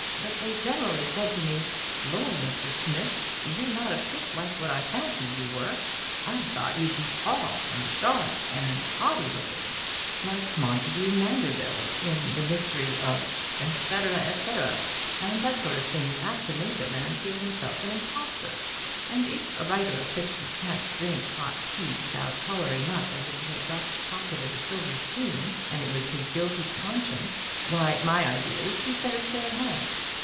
But they generally said to me, 'Lor', Mr. Smith, you're not a bit like what I fancied you were! I thought you'd be TALL, and DARK, and HAUGHTY LOOKING, like Montague Manderville in 'The Mystery of ', &c, &c. and that sort of thing is apt to make a man feel himself an impostor. And if a writer of fiction can't drink hot tea without colouring up as if he had just pocketed a silver spoon, and it was his guilty conscience, why, my idea is, he'd better stay at home.